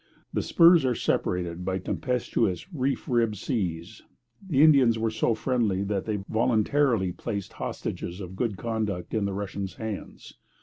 The spurs are separated by tempestuous reef ribbed seas. The Indians were so very friendly that they voluntarily placed hostages of good conduct in the Russians' hands.